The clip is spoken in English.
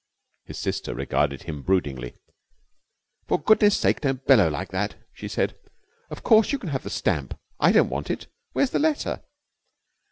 His sister regarded him broodingly. 'For goodness' sake don't bellow like that!' she said. 'Of course, you can have the stamp. I don't want it. Where is the letter?'